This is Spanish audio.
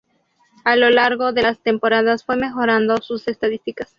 A lo largo de las temporadas fue mejorando sus estadísticas.